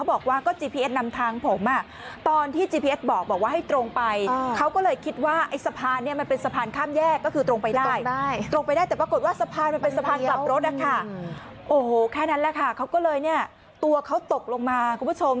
โอ้โหแค่นั้นแหละค่ะเขาก็เลยตัวเขาตกลงมาคุณผู้ชม